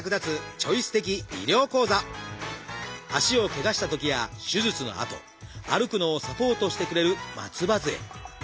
足をけがしたときや手術のあと歩くのをサポートしてくれる松葉づえ。